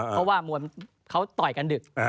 เพราะว่ามวยเขาต่อยกันดึก